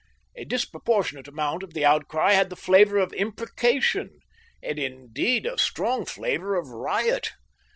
A disproportionate amount of the outcry had the flavour of imprecation had, indeed a strong flavour of riot.